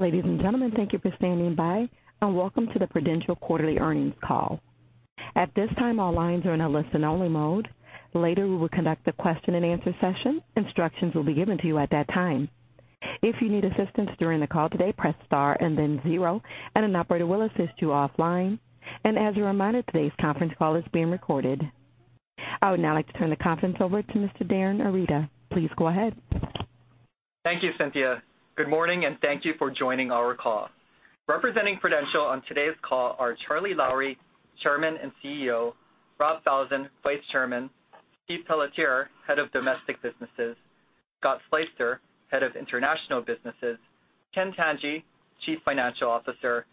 Ladies and gentlemen, thank you for standing by, welcome to the Prudential quarterly earnings call. At this time, all lines are in a listen-only mode. Later, we will conduct a question-and-answer session. Instructions will be given to you at that time. If you need assistance during the call today, press star and then zero, an operator will assist you offline. As a reminder, today's conference call is being recorded. I would now like to turn the conference over to Mr. Darin Arita. Please go ahead. Thank you, Cynthia. Good morning, thank you for joining our call. Representing Prudential on today's call are Charlie Lowrey, Chairman and CEO; Rob Falzon, Vice Chairman; Steve Pelletier, Head of Domestic Businesses; Scott Sleyster, Head of International Businesses; Ken Tanji, Chief Financial Officer;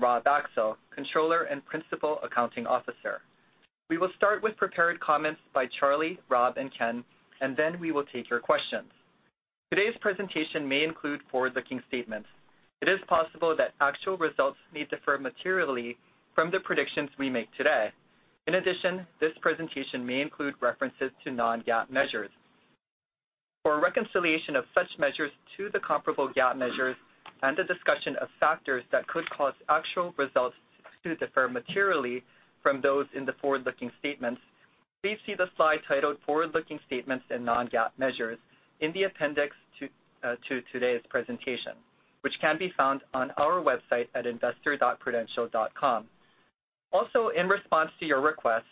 Rob Axel, Controller and Principal Accounting Officer. We will start with prepared comments by Charlie, Rob, and Ken, then we will take your questions. Today's presentation may include forward-looking statements. It is possible that actual results may differ materially from the predictions we make today. In addition, this presentation may include references to non-GAAP measures. For a reconciliation of such measures to the comparable GAAP measures, a discussion of factors that could cause actual results to differ materially from those in the forward-looking statements, please see the slide titled "Forward-Looking Statements and Non-GAAP Measures" in the appendix to today's presentation, which can be found on our website at investor.prudential.com. In response to your request,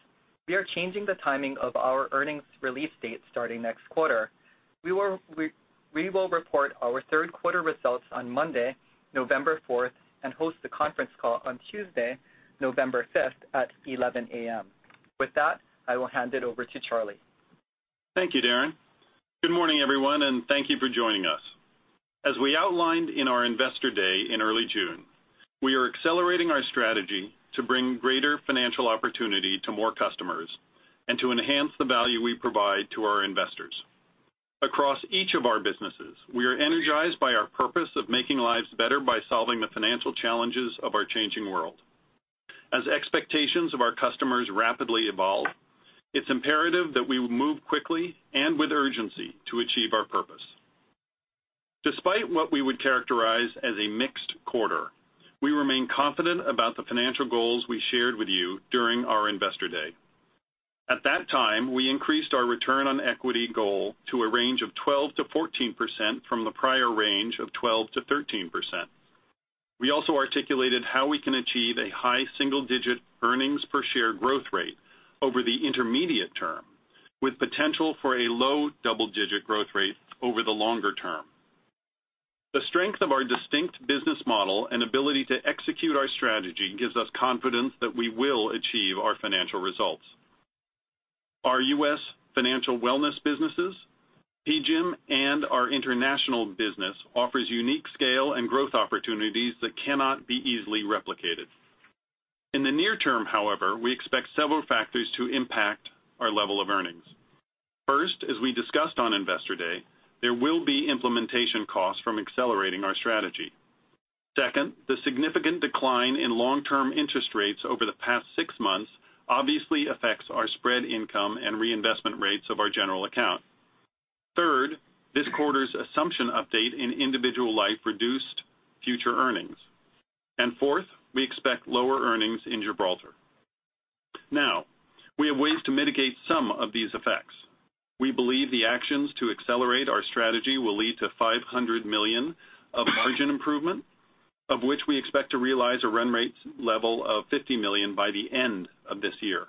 we are changing the timing of our earnings release date starting next quarter. We will report our third quarter results on Monday, November fourth, host the conference call on Tuesday, November fifth at 11:00 A.M. With that, I will hand it over to Charlie. Thank you, Darin. Good morning, everyone, thank you for joining us. As we outlined in our Investor Day in early June, we are accelerating our strategy to bring greater financial opportunity to more customers, to enhance the value we provide to our investors. Across each of our businesses, we are energized by our purpose of making lives better by solving the financial challenges of our changing world. As expectations of our customers rapidly evolve, it's imperative that we move quickly and with urgency to achieve our purpose. Despite what we would characterize as a mixed quarter, we remain confident about the financial goals we shared with you during our Investor Day. At that time, we increased our return on equity goal to a range of 12%-14% from the prior range of 12%-13%. We also articulated how we can achieve a high single-digit EPS growth rate over the intermediate term with potential for a low double-digit growth rate over the longer term. The strength of our distinct business model and ability to execute our strategy gives us confidence that we will achieve our financial results. Our U.S. Financial Wellness businesses, PGIM, and our international business offers unique scale and growth opportunities that cannot be easily replicated. In the near term, however, we expect several factors to impact our level of earnings. First, as we discussed on Investor Day, there will be implementation costs from accelerating our strategy. Second, the significant decline in long-term interest rates over the past 6 months obviously affects our spread income and reinvestment rates of our general account. Third, this quarter's assumption update in Individual Life reduced future earnings. Fourth, we expect lower earnings in Gibraltar. We have ways to mitigate some of these effects. We believe the actions to accelerate our strategy will lead to $500 million of margin improvement, of which we expect to realize a run rate level of $50 million by the end of this year.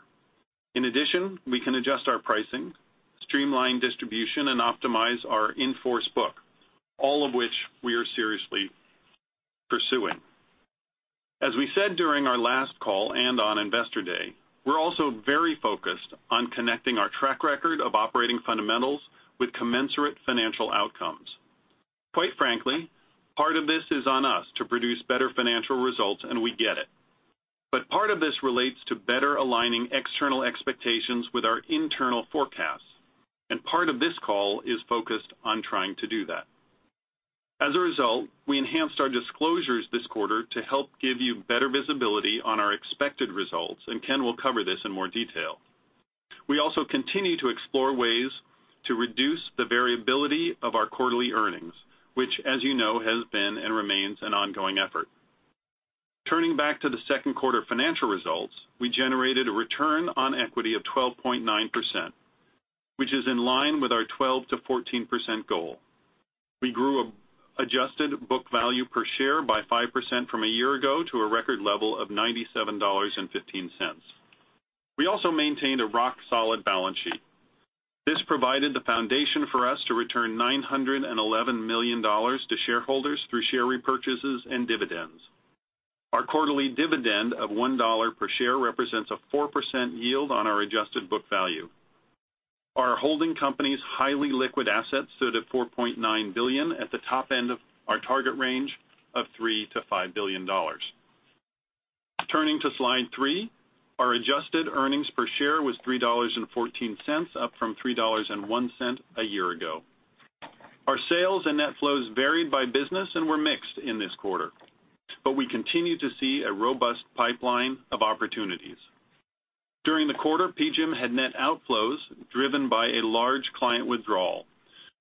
In addition, we can adjust our pricing, streamline distribution, and optimize our in-force book, all of which we are seriously pursuing. As we said during our last call and on Investor Day, we're also very focused on connecting our track record of operating fundamentals with commensurate financial outcomes. Quite frankly, part of this is on us to produce better financial results. We get it. Part of this relates to better aligning external expectations with our internal forecasts, and part of this call is focused on trying to do that. We enhanced our disclosures this quarter to help give you better visibility on our expected results, and Ken will cover this in more detail. We also continue to explore ways to reduce the variability of our quarterly earnings, which, as you know, has been and remains an ongoing effort. Turning back to the second quarter financial results, we generated a return on equity of 12.9%, which is in line with our 12%-14% goal. We grew adjusted book value per share by 5% from a year ago to a record level of $97.15. We also maintained a rock-solid balance sheet. This provided the foundation for us to return $911 million to shareholders through share repurchases and dividends. Our quarterly dividend of $1 per share represents a 4% yield on our adjusted book value. Our holding company's highly liquid assets stood at $4.9 billion at the top end of our target range of $3 billion-$5 billion. Turning to slide three, our adjusted EPS was $3.14, up from $3.01 a year ago. Our sales and net flows varied by business and were mixed in this quarter. We continue to see a robust pipeline of opportunities. During the quarter, PGIM had net outflows driven by a large client withdrawal,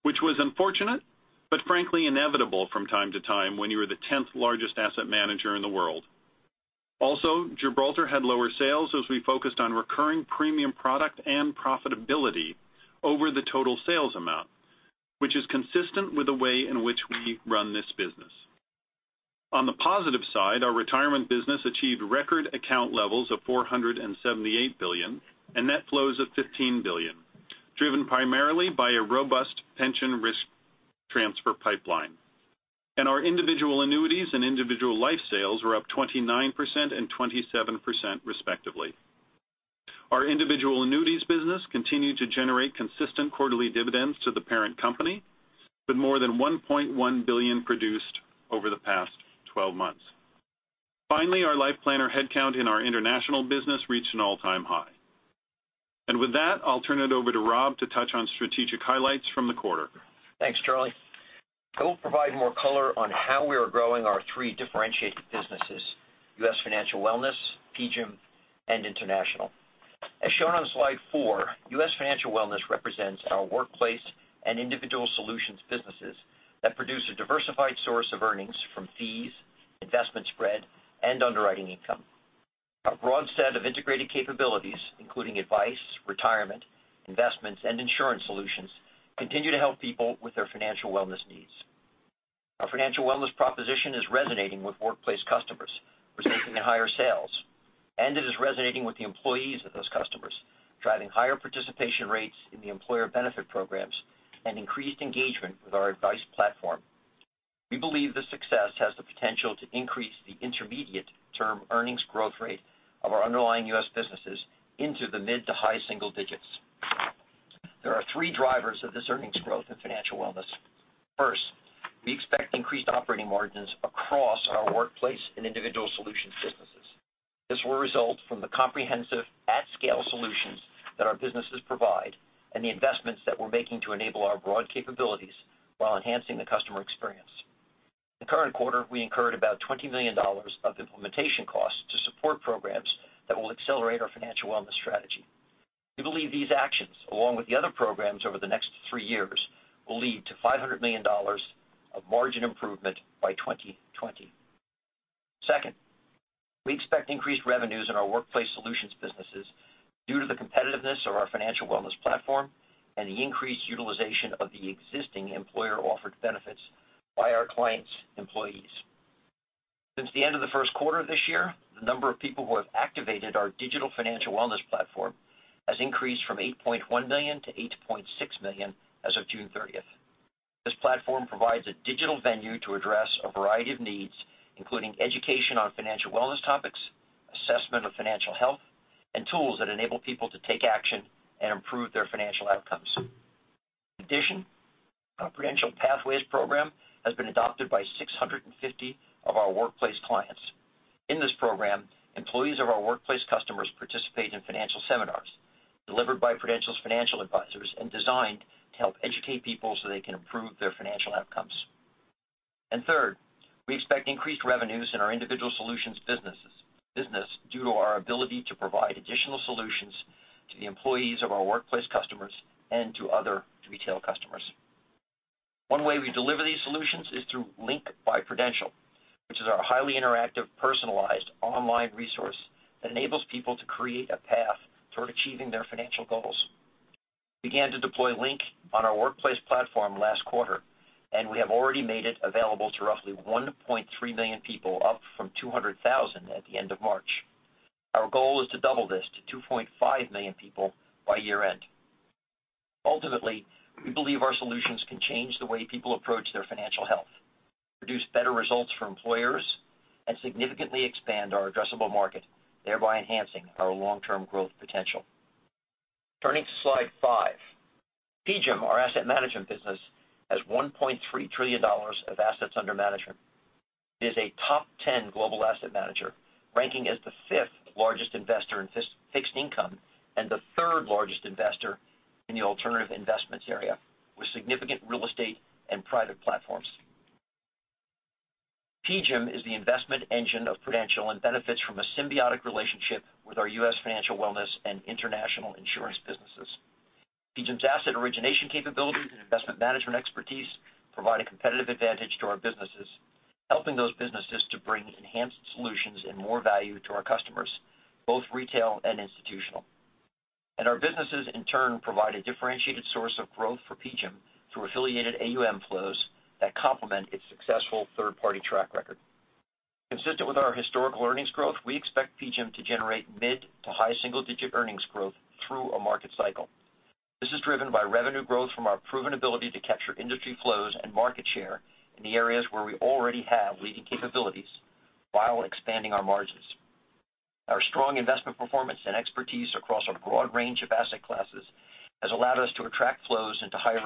which was unfortunate, but frankly inevitable from time to time when you are the 10th largest asset manager in the world. Gibraltar had lower sales as we focused on recurring premium product and profitability over the total sales amount, which is consistent with the way in which we run this business. On the positive side, our retirement business achieved record account levels of $478 billion and net flows of $15 billion, driven primarily by a robust pension risk transfer pipeline. Our individual annuities and individual life sales were up 29% and 27%, respectively. Our individual annuities business continued to generate consistent quarterly dividends to the parent company with more than $1.1 billion produced over the past 12 months. Finally, our LifePlanner headcount in our international business reached an all-time high. With that, I'll turn it over to Rob to touch on strategic highlights from the quarter. Thanks, Charlie. I will provide more color on how we are growing our three differentiated businesses, US Financial Wellness, PGIM, and International. As shown on slide four, US Financial Wellness represents our workplace and individual solutions businesses that produce a diversified source of earnings from fees, investment spread, and underwriting income. Our broad set of integrated capabilities, including advice, retirement, investments, and insurance solutions, continue to help people with their financial wellness needs. Our financial wellness proposition is resonating with workplace customers, resulting in higher sales, and it is resonating with the employees of those customers, driving higher participation rates in the employer benefit programs and increased engagement with our advice platform. We believe the success has the potential to increase the intermediate-term earnings growth rate of our underlying U.S. businesses into the mid to high single digits. There are three drivers of this earnings growth in financial wellness. First, we expect increased operating margins across our workplace and individual solutions businesses. This will result from the comprehensive at-scale solutions that our businesses provide and the investments that we're making to enable our broad capabilities while enhancing the customer experience. In the current quarter, we incurred about $20 million of implementation costs to support programs that will accelerate our financial wellness strategy. We believe these actions, along with the other programs over the next three years, will lead to $500 million of margin improvement by 2020. Second, we expect increased revenues in our workplace solutions businesses due to the competitiveness of our financial wellness platform and the increased utilization of the existing employer-offered benefits by our clients' employees. Since the end of the first quarter this year, the number of people who have activated our digital financial wellness platform has increased from 8.1 million to 8.6 million as of June 30th. This platform provides a digital venue to address a variety of needs, including education on financial wellness topics, assessment of financial health, and tools that enable people to take action and improve their financial outcomes. In addition, our Prudential Pathways program has been adopted by 650 of our workplace clients. In this program, employees of our workplace customers participate in financial seminars delivered by Prudential's financial advisors and designed to help educate people so they can improve their financial outcomes. Third, we expect increased revenues in our individual solutions business due to our ability to provide additional solutions to the employees of our workplace customers and to other retail customers. One way we deliver these solutions is through Link by Prudential, which is our highly interactive, personalized online resource that enables people to create a path toward achieving their financial goals. We began to deploy Link on our workplace platform last quarter. We have already made it available to roughly 1.3 million people, up from 200,000 at the end of March. Our goal is to double this to 2.5 million people by year-end. Ultimately, we believe our solutions can change the way people approach their financial health, produce better results for employers, and significantly expand our addressable market, thereby enhancing our long-term growth potential. Turning to slide five, PGIM, our asset management business, has $1.3 trillion of assets under management. It is a top 10 global asset manager, ranking as the fifth largest investor in fixed income and the third largest investor in the alternative investments area, with significant real estate and private platforms. PGIM is the investment engine of Prudential and benefits from a symbiotic relationship with our U.S. Financial Wellness and International Insurance businesses. PGIM's asset origination capabilities and investment management expertise provide a competitive advantage to our businesses, helping those businesses to bring enhanced solutions and more value to our customers, both retail and institutional. Our businesses, in turn, provide a differentiated source of growth for PGIM through affiliated AUM flows that complement its successful third-party track record. Consistent with our historical earnings growth, we expect PGIM to generate mid to high single-digit earnings growth through a market cycle. This is driven by revenue growth from our proven ability to capture industry flows and market share in the areas where we already have leading capabilities while expanding our margins. Our strong investment performance and expertise across a broad range of asset classes has allowed us to attract flows into higher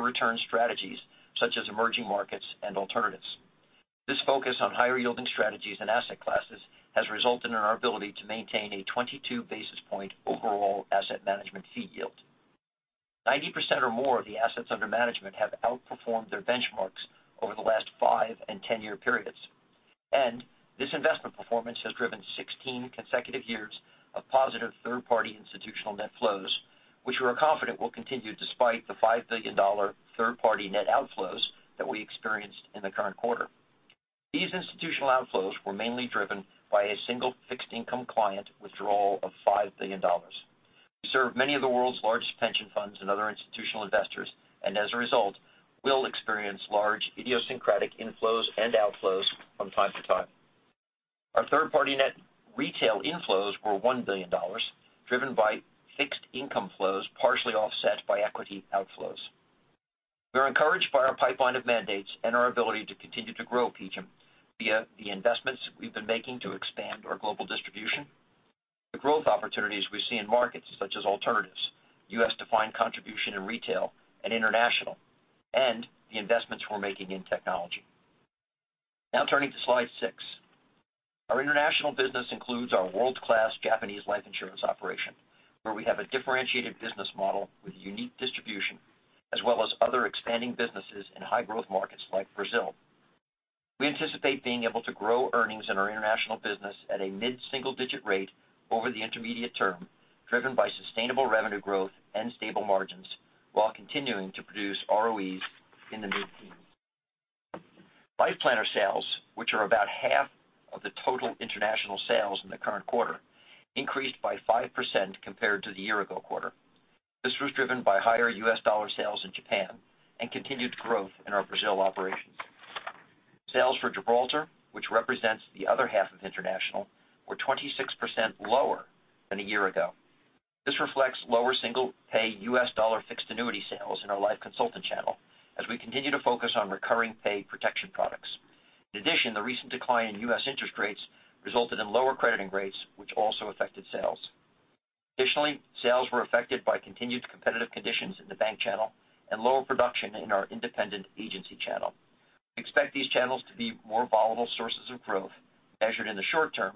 return strategies, such as emerging markets and alternatives. This focus on higher-yielding strategies and asset classes has resulted in our ability to maintain a 22-basis point overall asset management fee yield. 90% or more of the assets under management have outperformed their benchmarks over the last five and 10-year periods. This investment performance has driven 16 consecutive years of positive third-party institutional net flows, which we are confident will continue despite the $5 billion third-party net outflows that we experienced in the current quarter. These institutional outflows were mainly driven by a single fixed income client withdrawal of $5 billion. We serve many of the world's largest pension funds and other institutional investors. As a result, will experience large idiosyncratic inflows and outflows from time to time. Our third-party net retail inflows were $1 billion, driven by fixed income flows, partially offset by equity outflows. We are encouraged by our pipeline of mandates and our ability to continue to grow PGIM via the investments we've been making to expand our global distribution, the growth opportunities we see in markets such as alternatives, U.S. defined contribution in retail and international, and the investments we're making in technology. Now turning to slide six. Our international business includes our world-class Japanese life insurance operation, where we have a differentiated business model with unique distribution, as well as other expanding businesses in high growth markets like Brazil. We anticipate being able to grow earnings in our international business at a mid-single-digit rate over the intermediate-term, driven by sustainable revenue growth and stable margins while continuing to produce ROEs in the mid-teens. Life Planner sales, which are about half of the total international sales in the current quarter, increased by 5% compared to the year-ago quarter. This was driven by higher U.S. dollar sales in Japan and continued growth in our Brazil operations. Sales for Gibraltar, which represents the other half of international, were 26% lower than a year ago. This reflects lower single-pay U.S. dollar fixed annuity sales in our Life Consultant channel as we continue to focus on recurring pay protection products. In addition, the recent decline in U.S. interest rates resulted in lower crediting rates, which also affected sales. Additionally, sales were affected by continued competitive conditions in the bank channel and lower production in our independent agency channel. Expect these channels to be more volatile sources of growth measured in the short term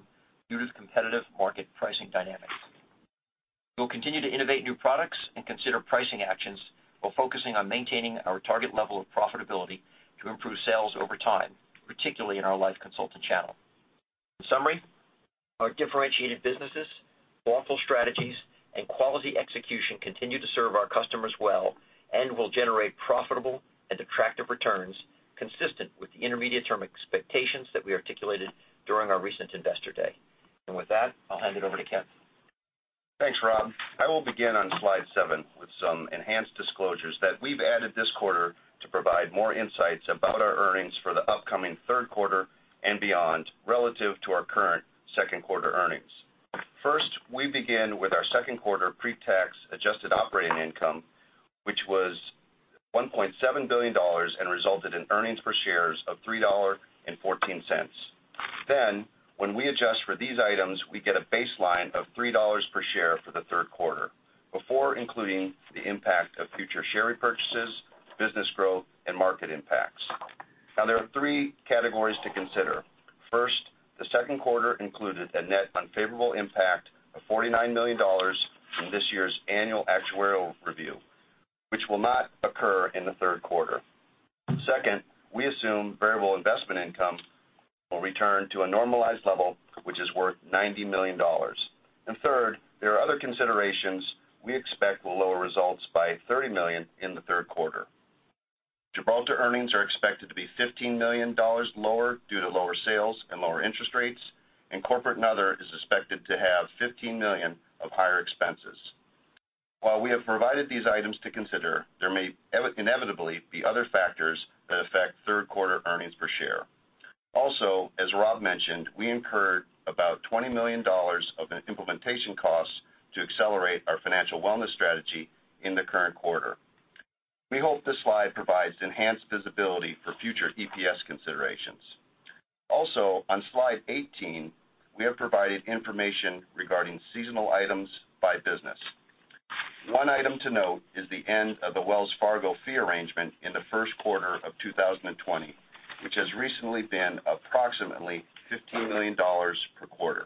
due to competitive market pricing dynamics. We'll continue to innovate new products and consider pricing actions while focusing on maintaining our target level of profitability to improve sales over time, particularly in our Life Consultant channel. In summary, our differentiated businesses, thoughtful strategies, and quality execution continue to serve our customers well and will generate profitable and attractive returns consistent with the intermediate-term expectations that we articulated during our recent Investor Day. With that, I'll hand it over to Ken. Thanks, Rob. I will begin on slide seven with some enhanced disclosures that we've added this quarter to provide more insights about our earnings for the upcoming third quarter and beyond relative to our current second quarter earnings. We begin with our second quarter pre-tax adjusted operating income, which was $1.7 billion and resulted in earnings per share of $3.14. When we adjust for these items, we get a baseline of $3 per share for the third quarter before including the impact of future share repurchases, business growth, and market impacts. There are three categories to consider. The second quarter included a net unfavorable impact of $49 million in this year's annual actuarial review, which will not occur in the third quarter. We assume variable investment income will return to a normalized level which is worth $90 million. Third, there are other considerations we expect will lower results by $30 million in the third quarter. Gibraltar earnings are expected to be $15 million lower due to lower sales and lower interest rates, and corporate and other is expected to have $15 million of higher expenses. While we have provided these items to consider, there may inevitably be other factors that affect third quarter earnings per share. As Rob mentioned, we incurred about $20 million of implementation costs to accelerate our financial wellness strategy in the current quarter. We hope this slide provides enhanced visibility for future EPS considerations. On slide 18, we have provided information regarding seasonal items by business. One item to note is the end of the Wells Fargo fee arrangement in the first quarter of 2020, which has recently been approximately $15 million per quarter.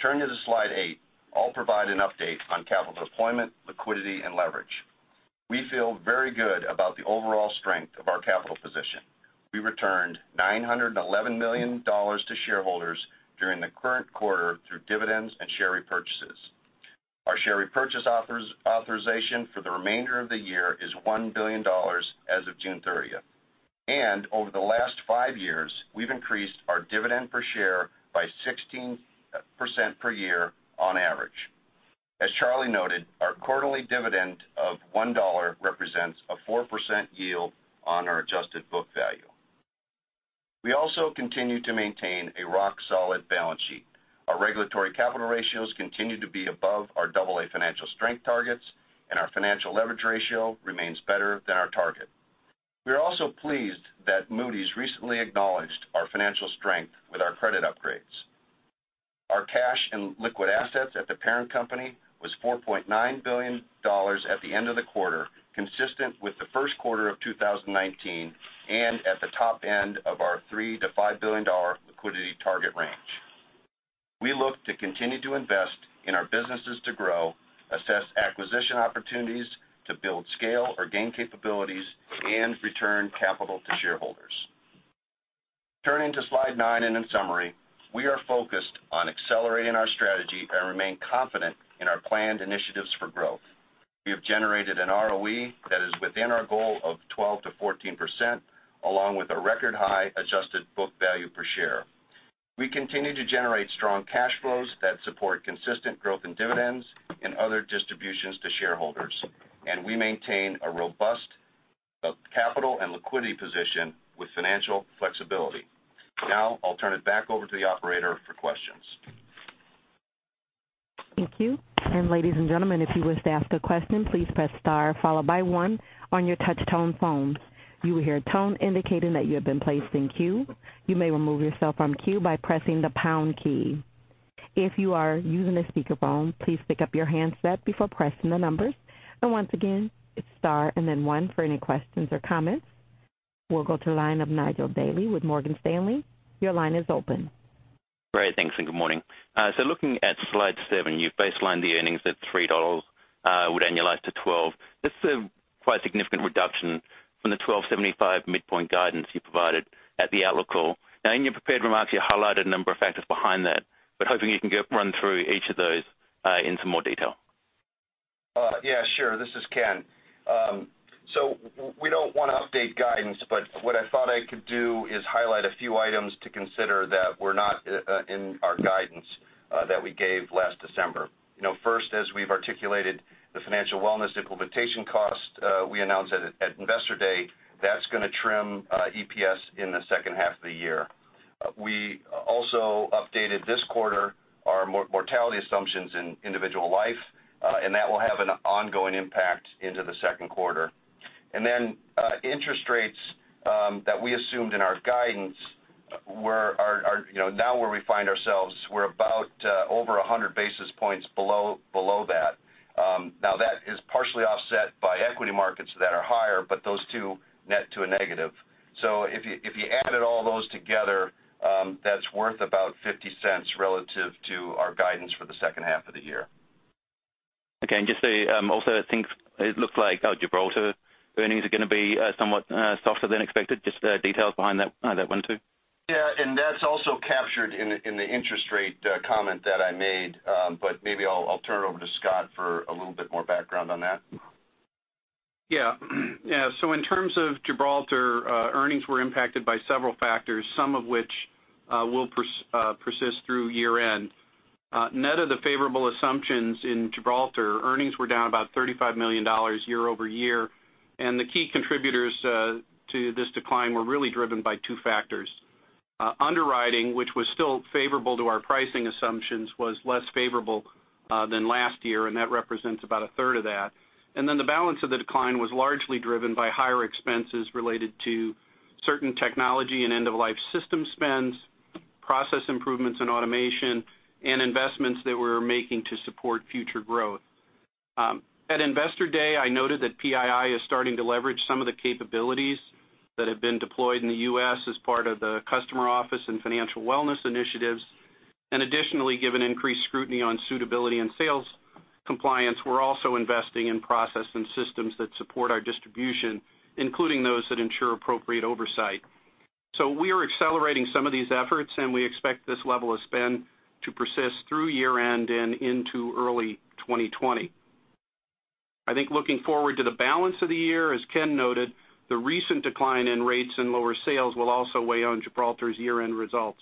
Turning to slide eight, I'll provide an update on capital deployment, liquidity, and leverage. We feel very good about the overall strength of our capital position. We returned $911 million to shareholders during the current quarter through dividends and share repurchases. Our share repurchase authorization for the remainder of the year is $1 billion as of June 30th. Over the last five years, we've increased our dividend per share by 16% per year on average. As Charlie noted, our quarterly dividend of $1 represents a 4% yield on our adjusted book value. We also continue to maintain a rock-solid balance sheet. Our regulatory capital ratios continue to be above our AA financial strength targets, and our financial leverage ratio remains better than our target. We are also pleased that Moody's recently acknowledged our financial strength with our credit upgrades. Our cash and liquid assets at the parent company was $4.9 billion at the end of the quarter, consistent with the first quarter of 2019 and at the top end of our $3 billion-$5 billion liquidity target range. We look to continue to invest in our businesses to grow, assess acquisition opportunities to build scale or gain capabilities, return capital to shareholders. Turning to slide nine. In summary, we are focused on accelerating our strategy and remain confident in our planned initiatives for growth. We have generated an ROE that is within our goal of 12%-14%, along with a record-high adjusted book value per share. We continue to generate strong cash flows that support consistent growth in dividends and other distributions to shareholders. We maintain a robust capital and liquidity position with financial flexibility. I'll turn it back over to the operator for questions. Thank you. Ladies and gentlemen, if you wish to ask a question, please press star followed by one on your touch tone phone. You will hear a tone indicating that you have been placed in queue. You may remove yourself from queue by pressing the pound key. If you are using a speakerphone, please pick up your handset before pressing the numbers. Once again, it's star and then one for any questions or comments. We'll go to the line of Nigel Dally with Morgan Stanley. Your line is open. Great. Thanks, and good morning. Looking at slide seven, you've baselined the earnings at $3 would annualize to $12. This is a quite significant reduction from the $12.75 midpoint guidance you provided at the outlook call. In your prepared remarks, you highlighted a number of factors behind that, hoping you can run through each of those in some more detail. Yeah, sure. This is Ken. We don't want to update guidance, what I thought I could do is highlight a few items to consider that were not in our guidance that we gave last December. First, as we've articulated the financial wellness implementation cost we announced at Investor Day, that's going to trim EPS in the second half of the year. We also updated this quarter our mortality assumptions in Individual Life, and that will have an ongoing impact into the second quarter. Interest rates that we assumed in our guidance, where we find ourselves, we're about over 100 basis points below that. That is partially offset by equity markets that are higher, those two net to a negative. If you added all those together, that's worth about $0.50 relative to our guidance for the second half of the year. Okay. Just also, I think it looks like Gibraltar earnings are going to be somewhat softer than expected. Just details behind that one, too. Yeah, that's also captured in the interest rate comment that I made. Maybe I'll turn it over to Scott for a little bit more background on that. So in terms of Gibraltar, earnings were impacted by several factors, some of which will persist through year-end. Net of the favorable assumptions in Gibraltar, earnings were down about $35 million year-over-year, and the key contributors to this decline were really driven by two factors. Underwriting, which was still favorable to our pricing assumptions, was less favorable than last year, and that represents about a third of that. The balance of the decline was largely driven by higher expenses related to certain technology and end-of-life system spends, process improvements in automation, and investments that we are making to support future growth. At Investor Day, I noted that PII is starting to leverage some of the capabilities that have been deployed in the U.S. as part of the customer office and financial wellness initiatives. Additionally, given increased scrutiny on suitability and sales compliance, we are also investing in process and systems that support our distribution, including those that ensure appropriate oversight. We are accelerating some of these efforts, and we expect this level of spend to persist through year-end and into early 2020. I think looking forward to the balance of the year, as Ken noted, the recent decline in rates and lower sales will also weigh on Gibraltar's year-end results.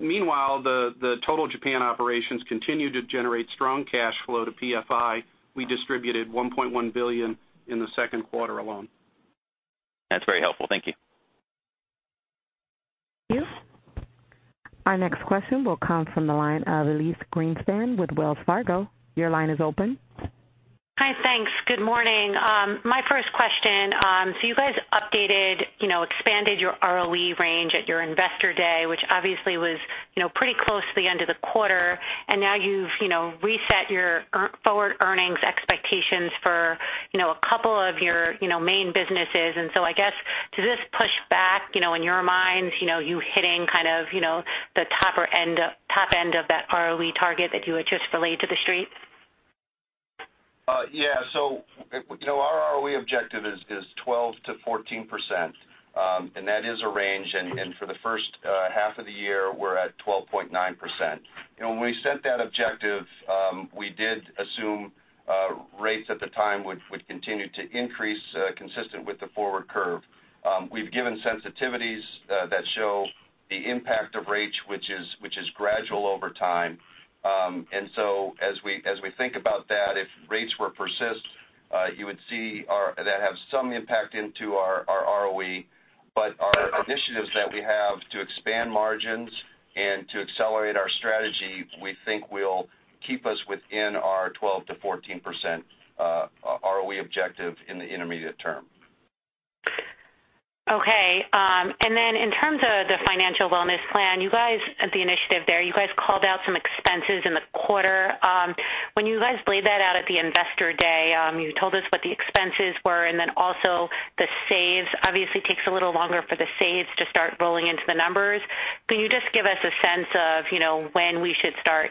Meanwhile, the total Japan operations continue to generate strong cash flow to PFI. We distributed $1.1 billion in the second quarter alone. That is very helpful. Thank you. Thank you. Our next question will come from the line of Elyse Greenspan with Wells Fargo. Your line is open. Hi. Thanks. Good morning. My first question, you guys updated, expanded your ROE range at your Investor Day, which obviously was pretty close to the end of the quarter, and now you've reset your forward earnings expectations for a couple of your main businesses. I guess, does this push back in your minds, you hitting kind of the top end of that ROE target that you had just relayed to the street? Yeah. Our ROE objective is 12%-14%, and that is a range. For the first half of the year, we're at 12.9%. When we set that objective, we did assume rates at the time would continue to increase, consistent with the forward curve. We've given sensitivities that show the impact of rates, which is gradual over time. As we think about that, if rates were to persist, you would see that have some impact into our ROE. Our initiatives that we have to expand margins and to accelerate our strategy, we think will keep us within our 12%-14% ROE objective in the intermediate term. Okay. In terms of the Financial Wellness plan, the initiative there, you guys called out some expenses in the quarter. When you guys laid that out at the Investor Day, you told us what the expenses were and also the saves. Obviously takes a little longer for the saves to start rolling into the numbers. Can you just give us a sense of when we should start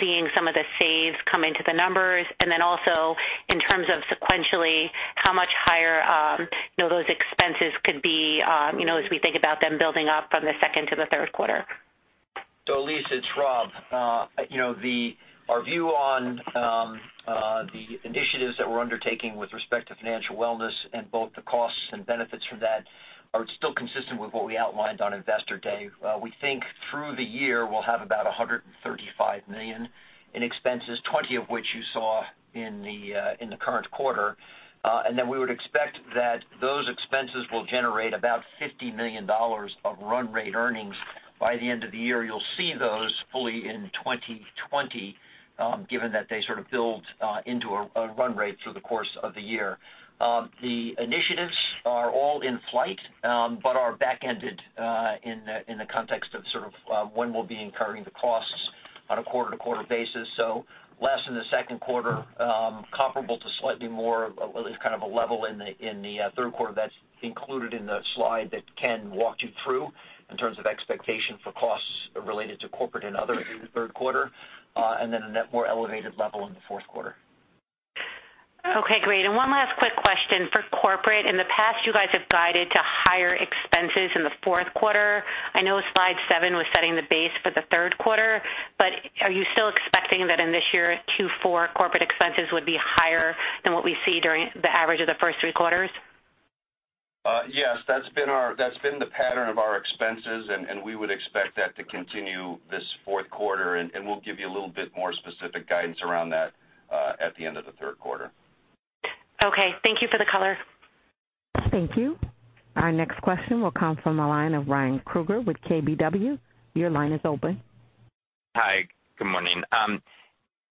seeing some of the saves come into the numbers, and also in terms of sequentially, how much higher those expenses could be as we think about them building up from the second to the third quarter? Elyse, it's Rob. Our view on the initiatives that we're undertaking with respect to Financial Wellness and both the costs and benefits from that are still consistent with what we outlined on Investor Day. We think through the year, we'll have about $135 million in expenses, $20 million of which you saw in the current quarter. We would expect that those expenses will generate about $50 million of run rate earnings by the end of the year. You'll see those fully in 2020, given that they sort of build into a run rate through the course of the year. The initiatives are all in flight, but are back-ended, in the context of when we'll be incurring the costs on a quarter-to-quarter basis. Less in the second quarter, comparable to slightly more, at least kind of a level in the third quarter that is included in the slide that Ken walked you through in terms of expectation for costs related to corporate and other in the third quarter, and then a net more elevated level in the fourth quarter. Okay, great. One last quick question for corporate. In the past, you guys have guided to higher expenses in the fourth quarter. I know slide seven was setting the base for the third quarter, are you still expecting that in this year, Q4 corporate expenses would be higher than what we see during the average of the first three quarters? Yes. That's been the pattern of our expenses, we would expect that to continue this fourth quarter, we will give you a little bit more specific guidance around that at the end of the third quarter. Okay. Thank you for the color. Thank you. Our next question will come from the line of Ryan Krueger with KBW. Your line is open. Hi, good morning.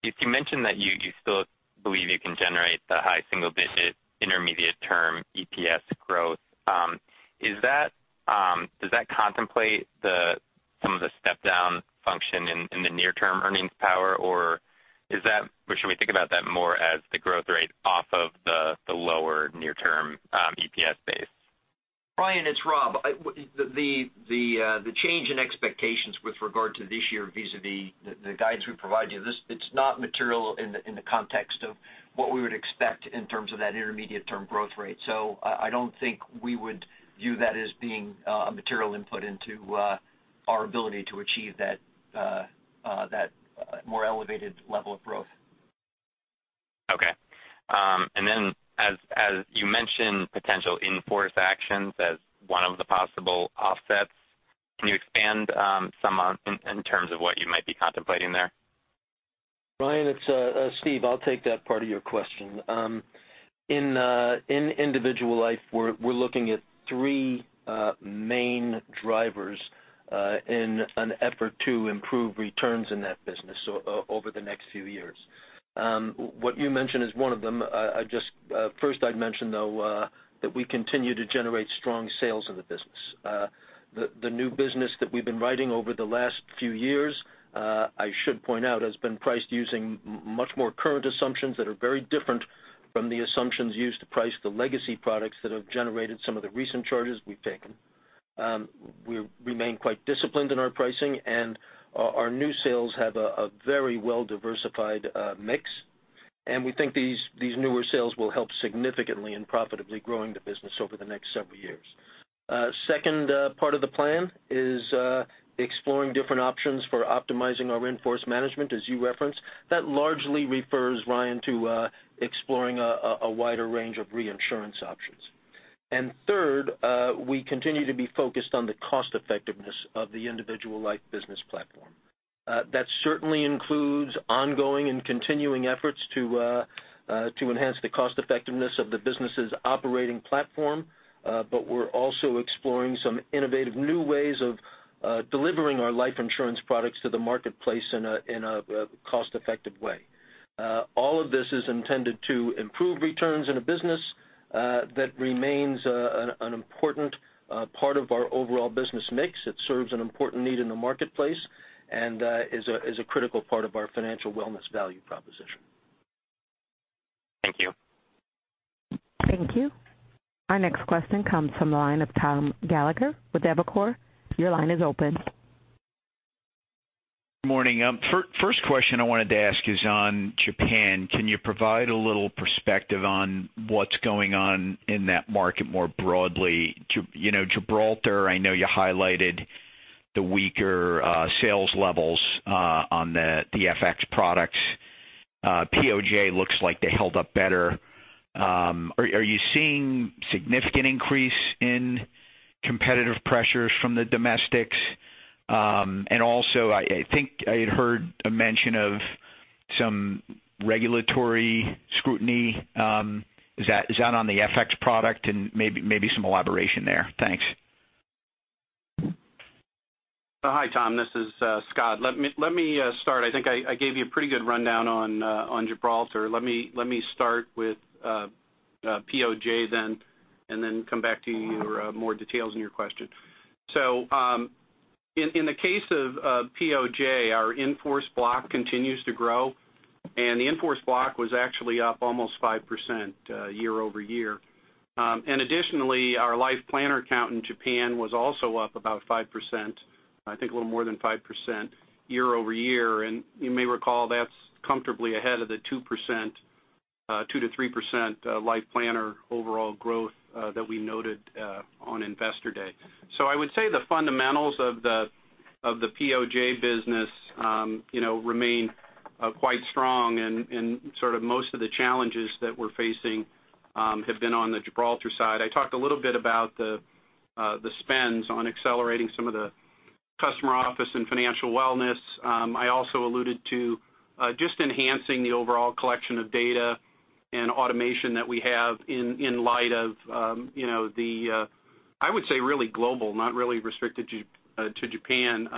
You mentioned that you do still believe you can generate the high single-digit intermediate-term EPS growth. Does that contemplate some of the step down function in the near-term earnings power, or should we think about that more as the growth rate off of the lower near-term EPS base? Ryan, it's Rob. The change in expectations with regard to this year vis-a-vis the guidance we provided you, it's not material in the context of what we would expect in terms of that intermediate-term growth rate. I don't think we would view that as being a material input into our ability to achieve that more elevated level of growth. Okay. As you mentioned potential in-force actions as one of the possible offsets, can you expand some on in terms of what you might be contemplating there? Ryan, it's Steve. I'll take that part of your question. In Individual Life, we're looking at three main drivers in an effort to improve returns in that business over the next few years. What you mentioned is one of them. First I'd mention, though, that we continue to generate strong sales in the business. The new business that we've been writing over the last few years, I should point out has been priced using much more current assumptions that are very different from the assumptions used to price the legacy products that have generated some of the recent charges we've taken. We remain quite disciplined in our pricing, and our new sales have a very well-diversified mix, and we think these newer sales will help significantly in profitably growing the business over the next several years. Second part of the plan is exploring different options for optimizing our in-force management, as you referenced. That largely refers, Ryan, to exploring a wider range of reinsurance options. Third, we continue to be focused on the cost-effectiveness of the Individual Life business platform. That certainly includes ongoing and continuing efforts to enhance the cost-effectiveness of the business's operating platform, but we're also exploring some innovative new ways of delivering our life insurance products to the marketplace in a cost-effective way. All of this is intended to improve returns in a business that remains an important part of our overall business mix. It serves an important need in the marketplace and is a critical part of our Financial Wellness value proposition. Thank you. Thank you. Our next question comes from the line of Thomas Gallagher with Evercore. Your line is open. Good morning. First question I wanted to ask is on Japan. Can you provide a little perspective on what's going on in that market more broadly? Gibraltar, I know you highlighted the weaker sales levels on the FX products. POJ looks like they held up better. Are you seeing significant increase in competitive pressures from the domestics? I think I had heard a mention of some regulatory scrutiny. Is that on the FX product? Maybe some elaboration there. Thanks. Hi, Tom. This is Scott. Let me start. I think I gave you a pretty good rundown on Gibraltar. Let me start with POJ, come back to your more details in your question. In the case of POJ, our in-force block continues to grow, the in-force block was actually up almost 5% year-over-year. Our LifePlanner count in Japan was also up about 5%, I think a little more than 5%, year-over-year. You may recall that's comfortably ahead of the 2%-3% LifePlanner overall growth that we noted on Investor Day. I would say the fundamentals of the POJ business remain quite strong and most of the challenges that we're facing have been on the Gibraltar side. I talked a little bit about the spends on accelerating some of the customer office and financial wellness. I also alluded to just enhancing the overall collection of data and automation that we have in light of the, I would say, really global, not really restricted to Japan,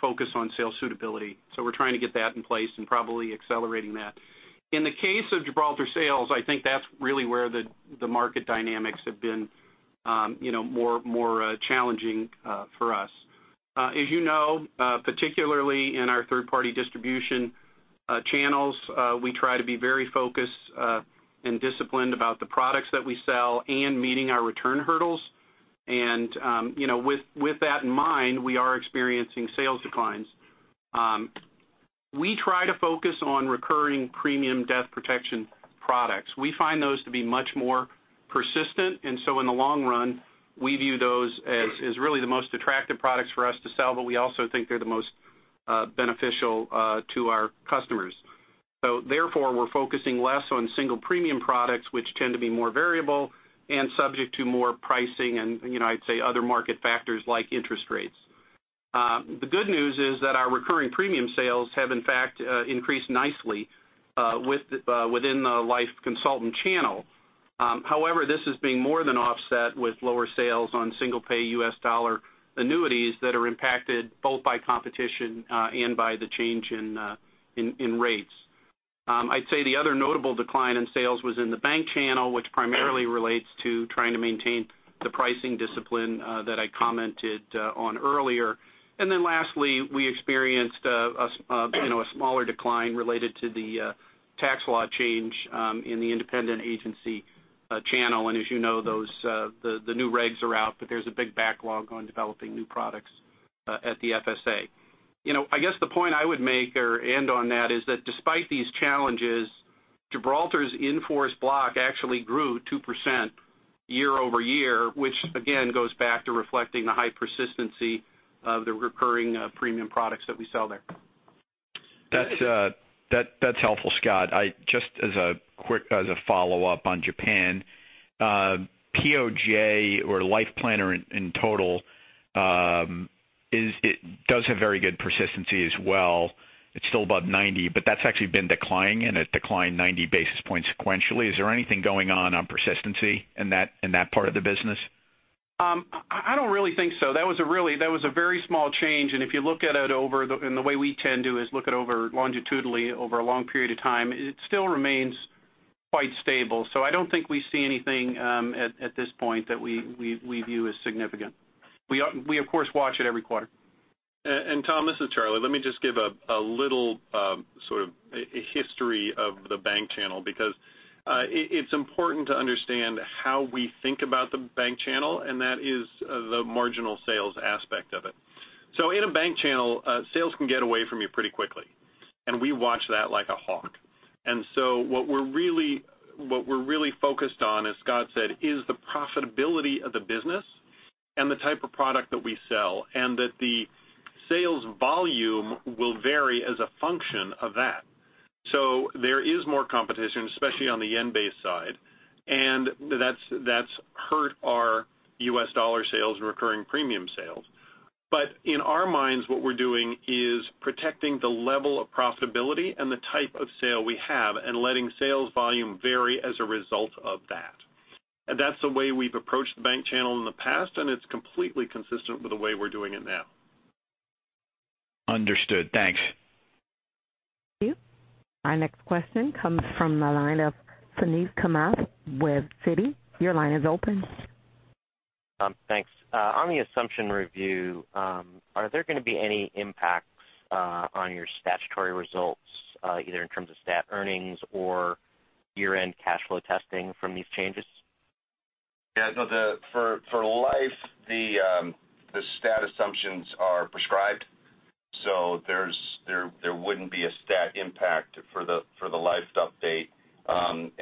focus on sales suitability. We're trying to get that in place and probably accelerating that. In the case of Gibraltar sales, I think that's really where the market dynamics have been more challenging for us. As you know, particularly in our third-party distribution channels, we try to be very focused and disciplined about the products that we sell and meeting our return hurdles. With that in mind, we are experiencing sales declines. We try to focus on recurring premium death protection products. We find those to be much more persistent, in the long run, we view those as really the most attractive products for us to sell, but we also think they're the most beneficial to our customers. We're focusing less on single premium products, which tend to be more variable and subject to more pricing and I'd say other market factors like interest rates. The good news is that our recurring premium sales have in fact increased nicely within the Life Consultant channel. However, this is being more than offset with lower sales on single-pay U.S. dollar annuities that are impacted both by competition and by the change in rates. I'd say the other notable decline in sales was in the bank channel, which primarily relates to trying to maintain the pricing discipline that I commented on earlier. Lastly, we experienced a smaller decline related to the tax law change in the independent agency channel. As you know, the new regs are out, but there's a big backlog on developing new products at the FSA. I guess the point I would make or end on that is that despite these challenges, Gibraltar's in-force block actually grew 2% year-over-year, which again goes back to reflecting the high persistency of the recurring premium products that we sell there. That's helpful, Scott. Just as a follow-up on Japan, POJ or Life Planner in total does have very good persistency as well. It's still above 90, but that's actually been declining, and it declined 90 basis points sequentially. Is there anything going on persistency in that part of the business? I don't really think so. That was a very small change, and if you look at it over, and the way we tend to is look at over longitudinally over a long period of time, it still remains quite stable. I don't think we see anything at this point that we view as significant. We of course watch it every quarter. Tom, this is Charlie. Let me just give a little history of the bank channel, because it's important to understand how we think about the bank channel, and that is the marginal sales aspect of it. In a bank channel, sales can get away from you pretty quickly, and we watch that like a hawk. What we're really focused on, as Scott said, is the profitability of the business and the type of product that we sell, and that the sales volume will vary as a function of that. There is more competition, especially on the yen-based side, and that's hurt our US dollar sales and recurring premium sales. In our minds, what we're doing is protecting the level of profitability and the type of sale we have and letting sales volume vary as a result of that. That's the way we've approached the bank channel in the past, and it's completely consistent with the way we're doing it now. Understood. Thanks. Thank you. Our next question comes from the line of Suneet Kamath with Citi. Your line is open. Thanks. On the assumption review, are there going to be any impacts on your statutory results, either in terms of stat earnings or year-end cash flow testing from these changes? Yeah, no, for life, the stat assumptions are prescribed. There wouldn't be a stat impact for the life update. The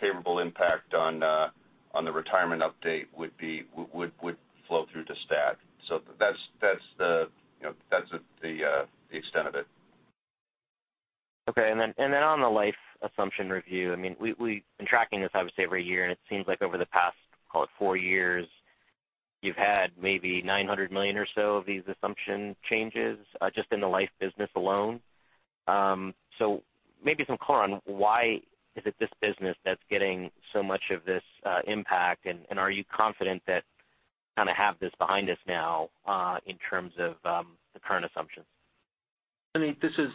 favorable impact on the retirement update would flow through to stat. That's the extent of it. On the life assumption review, we've been tracking this, I would say every year, and it seems like over the past, call it four years, you've had maybe $900 million or so of these assumption changes just in the life business alone. Maybe some color on why is it this business that's getting so much of this impact, and are you confident that kind of have this behind us now in terms of the current assumptions? I mean, this is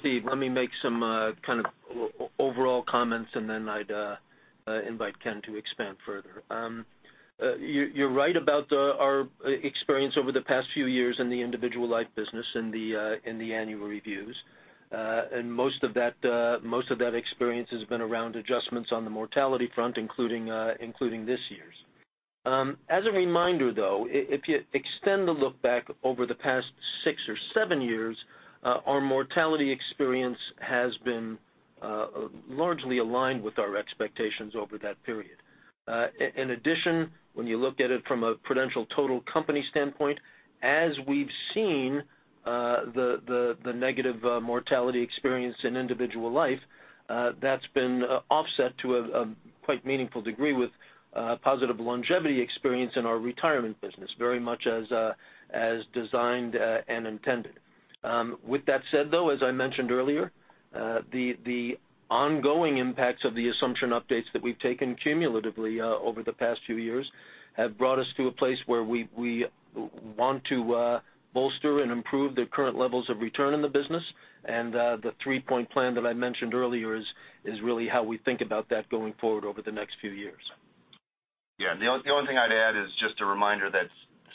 Steve. Let me make some kind of overall comments, and then I'd invite Ken to expand further. You're right about our experience over the past few years in the Individual Life business in the annual reviews. Most of that experience has been around adjustments on the mortality front, including this year's. As a reminder, though, if you extend the look back over the past six or seven years, our mortality experience has been largely aligned with our expectations over that period. When you look at it from a Prudential total company standpoint, as we've seen the negative mortality experience in Individual Life, that's been offset to a quite meaningful degree with positive longevity experience in our retirement business, very much as designed and intended. With that said, though, as I mentioned earlier, the ongoing impacts of the assumption updates that we've taken cumulatively over the past few years have brought us to a place where we want to bolster and improve the current levels of return in the business. The three-point plan that I mentioned earlier is really how we think about that going forward over the next few years. The only thing I'd add is just a reminder that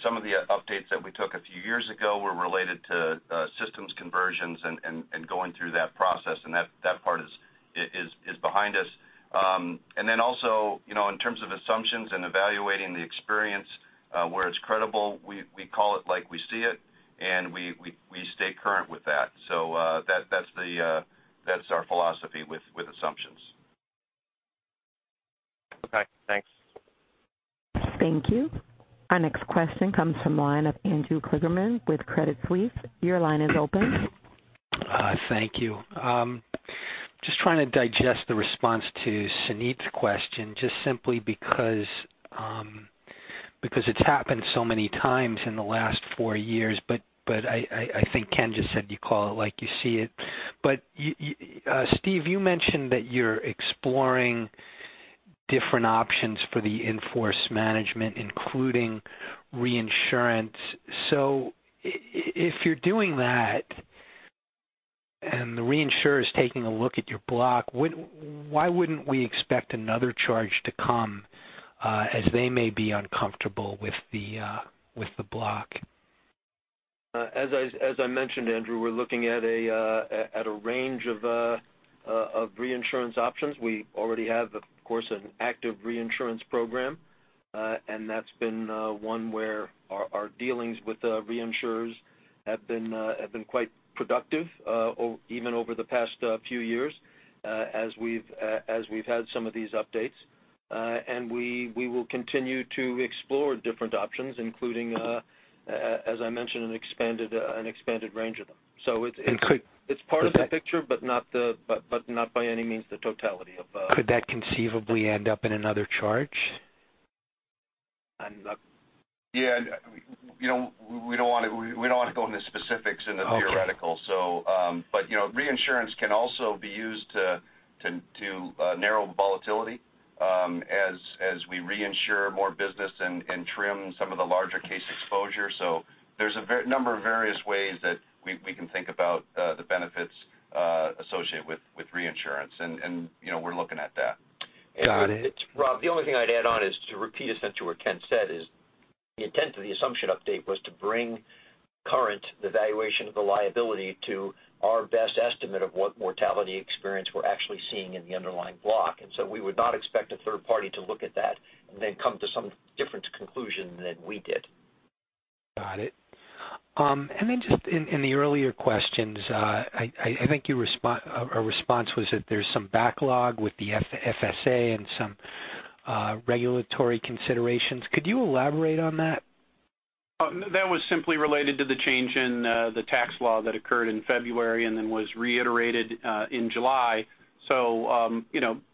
some of the updates that we took a few years ago were related to systems conversions and going through that process, and that part is behind us. Also, in terms of assumptions and evaluating the experience where it's credible, we call it like we see it, and we stay current with that. That's our philosophy with assumptions. Thanks. Thank you. Our next question comes from the line of Andrew Kligerman with Credit Suisse. Your line is open. Thank you. Just trying to digest the response to Suneet's question, just simply because it's happened so many times in the last four years. I think Ken just said you call it like you see it. Steve, you mentioned that you're exploring different options for the in-force management, including reinsurance. If you're doing that and the reinsurer is taking a look at your block, why wouldn't we expect another charge to come, as they may be uncomfortable with the block? As I mentioned, Andrew, we're looking at a range of reinsurance options. We already have, of course, an active reinsurance program. That's been one where our dealings with reinsurers have been quite productive even over the past few years as we've had some of these updates. We will continue to explore different options, including, as I mentioned, an expanded range of them. And could- part of the picture, but not by any means the totality of. Could that conceivably end up in another charge? Yeah. We don't want to go into specifics in the theoretical. Okay. Reinsurance can also be used to narrow volatility as we reinsure more business and trim some of the larger case exposure. There's a number of various ways that we can think about the benefits associated with reinsurance, and we're looking at that. Got it. Rob, the only thing I'd add on is to repeat essentially what Ken said is the intent of the assumption update was to bring current the valuation of the liability to our best estimate of what mortality experience we're actually seeing in the underlying block. We would not expect a third party to look at that and then come to some different conclusion than we did. Got it. Just in the earlier questions, I think a response was that there's some backlog with the FSA and some regulatory considerations. Could you elaborate on that? That was simply related to the change in the tax law that occurred in February and was reiterated in July.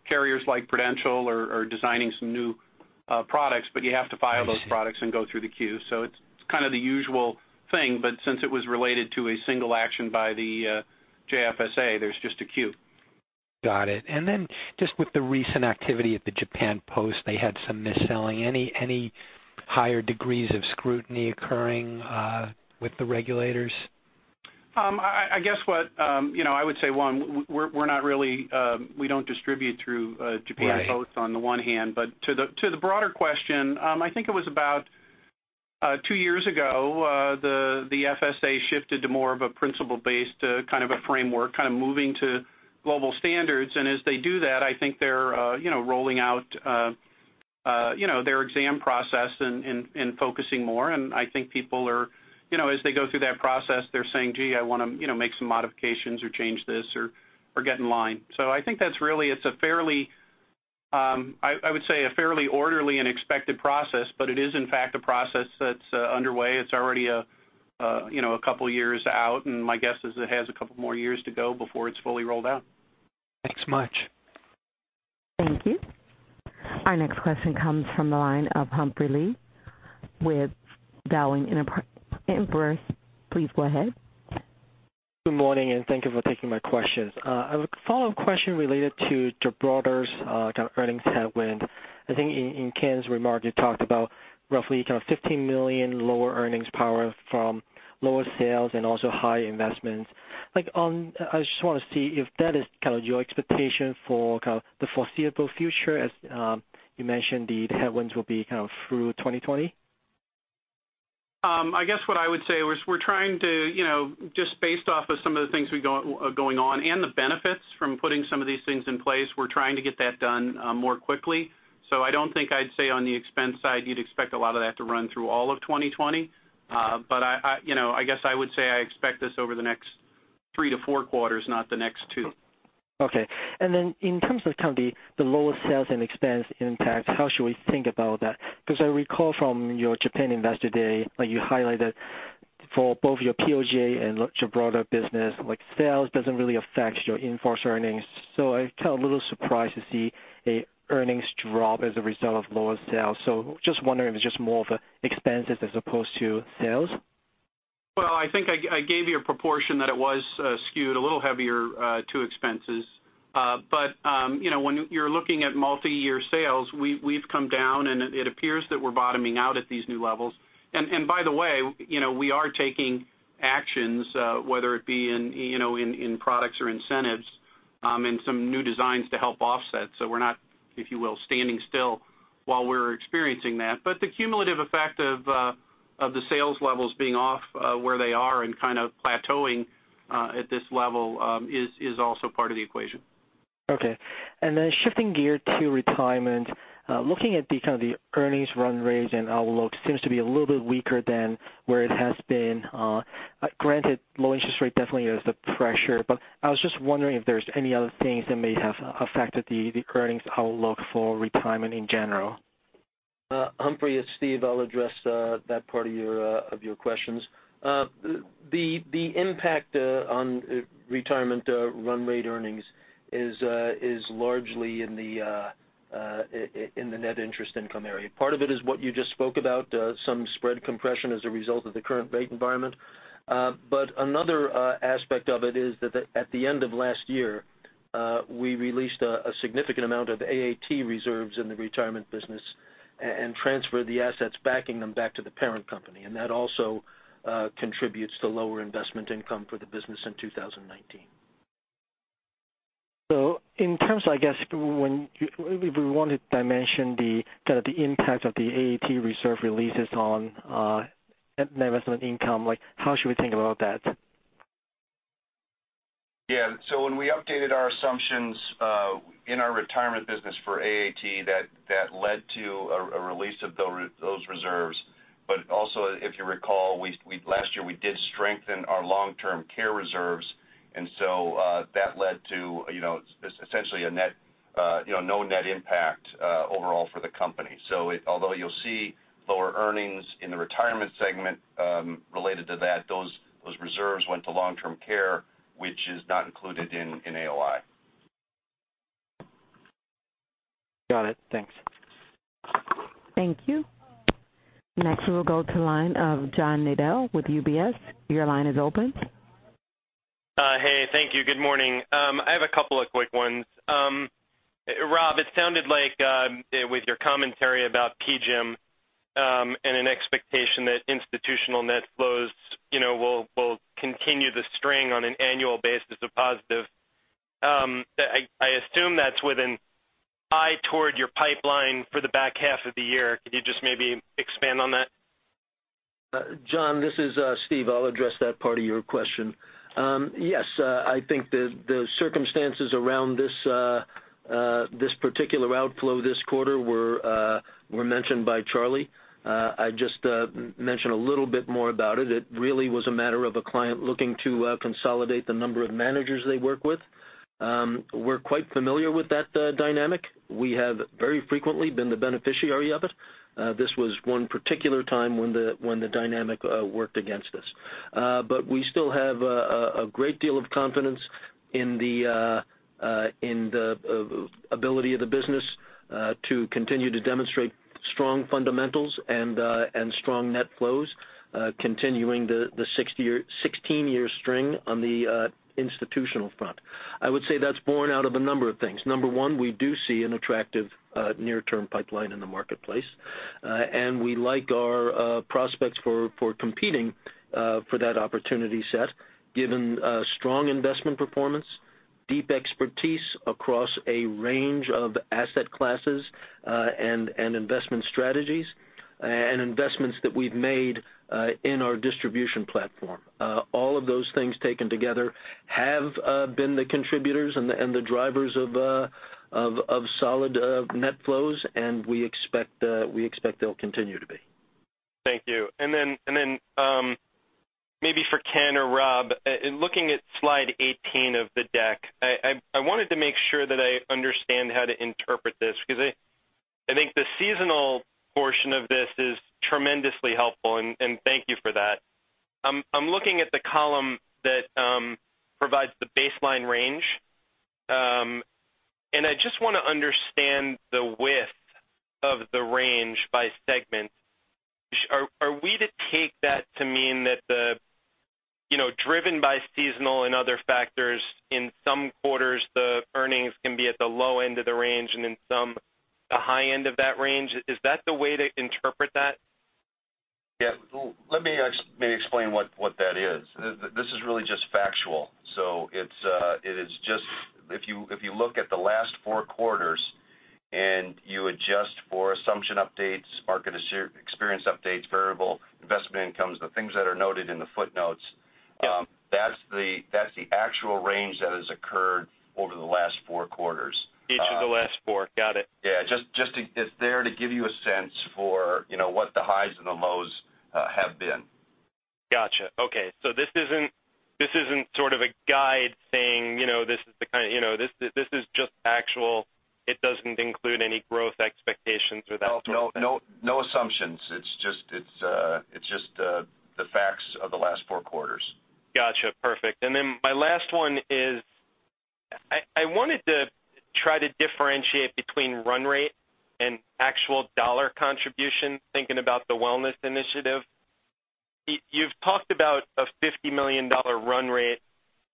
Carriers like Prudential are designing some new products, you have to file those products and go through the queue. It's kind of the usual thing, but since it was related to a single action by the JFSA, there's just a queue. Got it. Just with the recent activity at the Japan Post, they had some mis-selling. Any higher degrees of scrutiny occurring with the regulators? I guess what I would say, one, we don't distribute through Japan Post on the one hand. To the broader question, I think it was about two years ago, the FSA shifted to more of a principle-based kind of a framework, kind of moving to global standards. As they do that, I think they're rolling out their exam process and focusing more. I think people are, as they go through that process, they're saying, "Gee, I want to make some modifications or change this or get in line." I think that's really, I would say a fairly orderly and expected process, but it is in fact a process that's underway. It's already a couple of years out, and my guess is it has a couple more years to go before it's fully rolled out. Thanks much. Thank you. Our next question comes from the line of Humphrey Lee with Dowling & Partners. Please go ahead. Good morning, thank you for taking my questions. I have a follow-up question related to the broader kind of earnings headwind. I think in Ken's remark, you talked about roughly $15 million lower earnings power from lower sales and also high investments. I just want to see if that is your expectation for the foreseeable future, as you mentioned the headwinds will be through 2020? I guess what I would say was, just based off of some of the things going on and the benefits from putting some of these things in place, we're trying to get that done more quickly. I don't think I'd say on the expense side, you'd expect a lot of that to run through all of 2020. I guess I would say I expect this over the next three to four quarters, not the next two. Okay. In terms of kind of the lower sales and expense impact, how should we think about that? Because I recall from your Japan Investor Day, you highlighted for both your POJ and your broader business, sales doesn't really affect your in-force earnings. I'm kind of a little surprised to see an earnings drop as a result of lower sales. Just wondering if it's just more of expenses as opposed to sales. Well, I think I gave you a proportion that it was skewed a little heavier to expenses. When you're looking at multi-year sales, we've come down, and it appears that we're bottoming out at these new levels. By the way, we are taking actions, whether it be in products or incentives, in some new designs to help offset. We're not, if you will, standing still while we're experiencing that. The cumulative effect of the sales levels being off where they are and kind of plateauing at this level is also part of the equation. Okay. Shifting gear to retirement. Looking at the kind of the earnings run rates and outlook seems to be a little bit weaker than where it has been. Granted, low interest rate definitely is the pressure. I was just wondering if there's any other things that may have affected the earnings outlook for retirement in general. Humphrey, it's Steve. I'll address that part of your questions. The impact on retirement run rate earnings is largely in the net interest income area. Part of it is what you just spoke about, some spread compression as a result of the current rate environment. Another aspect of it is that at the end of last year, we released a significant amount of AAT reserves in the retirement business and transferred the assets backing them back to the parent company. That also contributes to lower investment income for the business in 2019. In terms, I guess, if we wanted to mention the kind of the impact of the AAT reserve releases on net investment income, how should we think about that? When we updated our assumptions in our retirement business for AAT, that led to a release of those reserves. Also, if you recall, last year we did strengthen our long-term care reserves, that led to essentially no net impact overall for the company. Although you'll see lower earnings in the retirement segment related to that, those reserves went to long-term care, which is not included in AOI. Got it. Thanks. Thank you. Next, we'll go to the line of John Nadel with UBS. Your line is open. Hey, thank you. Good morning. I have a couple of quick ones. Rob, it sounded like with your commentary about PGIM, an expectation that institutional net flows will continue the string on an annual basis of positive. I assume that's with an eye toward your pipeline for the back half of the year. Could you just maybe expand on that? John, this is Steve. I'll address that part of your question. Yes, I think the circumstances around this particular outflow this quarter were mentioned by Charlie. I just mention a little bit more about it. It really was a matter of a client looking to consolidate the number of managers they work with. We're quite familiar with that dynamic. We have very frequently been the beneficiary of it. This was one particular time when the dynamic worked against us. We still have a great deal of confidence in the ability of the business to continue to demonstrate strong fundamentals and strong net flows, continuing the 16-year string on the institutional front. I would say that's borne out of a number of things. Number one, we do see an attractive near-term pipeline in the marketplace. We like our prospects for competing for that opportunity set, given strong investment performance, deep expertise across a range of asset classes and investment strategies, and investments that we've made in our distribution platform. All of those things taken together have been the contributors and the drivers of solid net flows, we expect they'll continue to be. Thank you. Then maybe for Ken or Rob, in looking at slide 18 of the deck, I wanted to make sure that I understand how to interpret this, because I think the seasonal portion of this is tremendously helpful, and thank you for that. I'm looking at the column that provides the baseline range. I just want to understand the width of the range by segment. Are we to take that to mean that driven by seasonal and other factors, in some quarters, the earnings can be at the low end of the range, and in some, the high end of that range? Is that the way to interpret that? Yeah. Let me explain what that is. This is really just factual. If you look at the last four quarters and you adjust for assumption updates, market experience updates, variable investment incomes, the things that are noted in the footnotes. Yeah That's the actual range that has occurred over the last four quarters. Each of the last four. Got it. Yeah. It's there to give you a sense for what the highs and the lows have been. Got you. Okay. This isn't sort of a guide saying, this is just actual, it doesn't include any growth expectations or that sort of thing. No assumptions. It's just the facts of the last four quarters. Got you. Perfect. My last one is, I wanted to try to differentiate between run rate and actual dollar contribution, thinking about the wellness initiative. You've talked about a $50 million run rate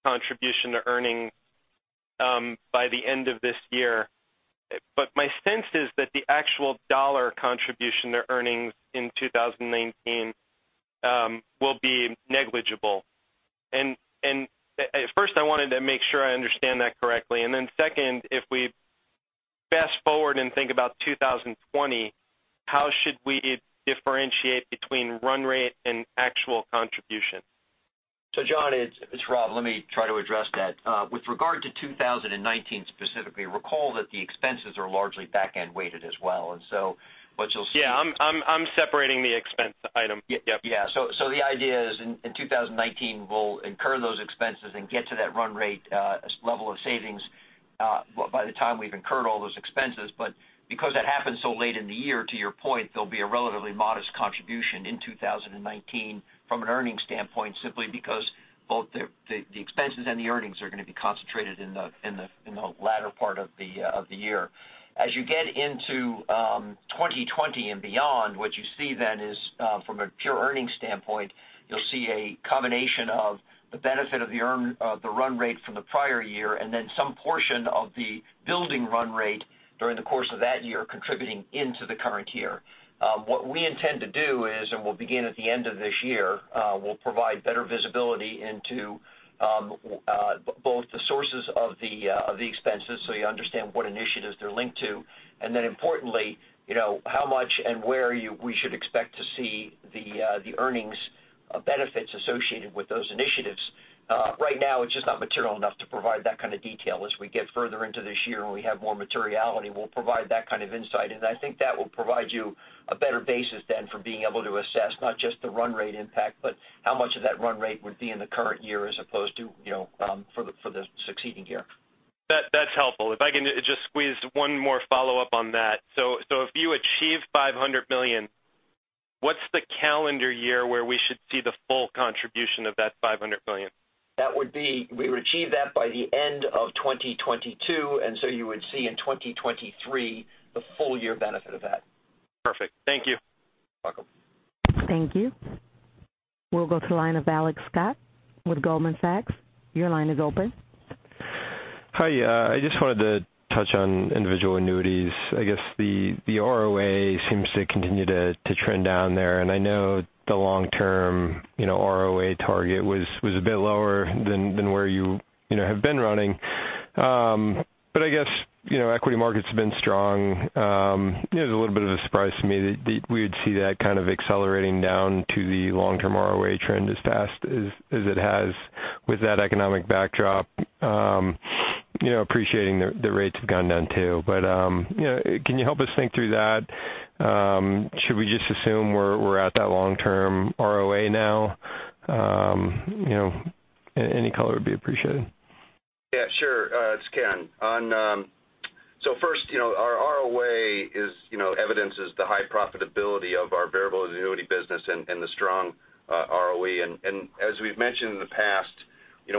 contribution to earnings by the end of this year. My sense is that the actual dollar contribution to earnings in 2019 will be negligible. First, I wanted to make sure I understand that correctly, then second, if we fast-forward and think about 2020, how should we differentiate between run rate and actual contribution? John, it's Rob. Let me try to address that. With regard to 2019 specifically, recall that the expenses are largely back-end weighted as well. What you'll see. I'm separating the expense item. Yep. The idea is in 2019, we'll incur those expenses and get to that run rate level of savings by the time we've incurred all those expenses. Because that happens so late in the year, to your point, there'll be a relatively modest contribution in 2019 from an earnings standpoint, simply because both the expenses and the earnings are going to be concentrated in the latter part of the year. As you get into 2020 and beyond, what you see then is, from a pure earnings standpoint, you'll see a combination of the benefit of the run rate from the prior year and then some portion of the building run rate during the course of that year contributing into the current year. What we intend to do is, we'll begin at the end of this year, we'll provide better visibility into both the sources of the expenses, you understand what initiatives they're linked to, importantly, how much and where we should expect to see the earnings benefits associated with those initiatives. Right now, it's just not material enough to provide that kind of detail. As we get further into this year and we have more materiality, we'll provide that kind of insight, I think that will provide you a better basis then for being able to assess not just the run rate impact, but how much of that run rate would be in the current year as opposed to for the succeeding year. That's helpful. If I can just squeeze one more follow-up on that. If you achieve $500 million, what's the calendar year where we should see the full contribution of that $500 million? We would achieve that by the end of 2022, and so you would see in 2023 the full year benefit of that. Perfect. Thank you. Welcome. Thank you. We'll go to the line of Alex Scott with Goldman Sachs. Your line is open. Hi. I just wanted to touch on Individual Annuities. I guess the ROA seems to continue to trend down there, and I know the long-term ROA target was a bit lower than where you have been running. I guess, equity market's been strong. It was a little bit of a surprise to me that we would see that kind of accelerating down to the long-term ROA trend as fast as it has with that economic backdrop, appreciating the rates have gone down, too. Can you help us think through that? Should we just assume we're at that long-term ROA now? Any color would be appreciated. First, our ROA evidences the high profitability of our variable annuity business and the strong ROE. As we've mentioned in the past,